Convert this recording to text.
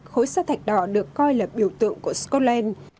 khối sa thạch đỏ được coi là biểu tượng của scotland